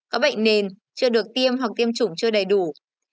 có bệnh nền chưa được tiêm hoặc tiêm chủng chưa đầy đủ